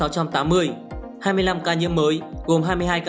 hai mươi năm ca nhiễm mới gồm hai mươi hai ca